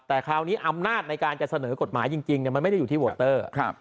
แต่คราวนี้อำนาจในการจะเสนอกฎหมายจริงมันไม่ได้อยู่ที่โวเตอร์